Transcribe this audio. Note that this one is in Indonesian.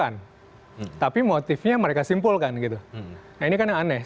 nah ini kan aneh